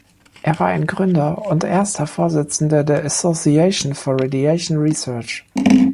Er war ein Gründer und erster Vorsitzender der "Association for Radiation Research".